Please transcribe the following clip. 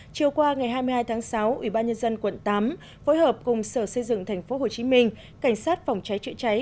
chiều qua ngày hai mươi hai tháng sáu ủy ban nhân dân quận tám phối hợp cùng sở xây dựng tp hcm cảnh sát phòng cháy chữa cháy